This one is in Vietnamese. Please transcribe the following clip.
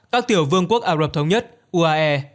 các tiểu vương quốc ả rập thống nhất uae